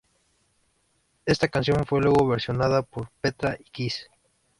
Esta canción fue luego versionada por Petra y Kiss.